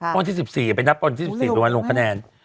ก็ที่๑๔ไปนับไปนับไปนับไปลงคะแนน